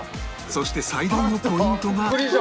そして最大のポイントが